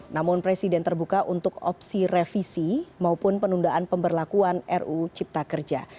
namun presiden terbuka untuk opsi revisi maupun penundaan pemberlakuan ruu cipta kerja